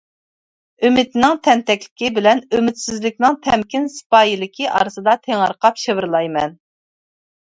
ئۈمىدنىڭ تەنتەكلىكى بىلەن ئۈمىدسىزلىكنىڭ تەمكىن سىپايىلىكى ئارىسىدا تېڭىرقاپ شىۋىرلايمەن.